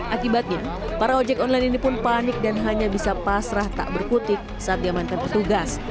akibatnya para ojek online ini pun panik dan hanya bisa pasrah tak berkutik saat diamankan petugas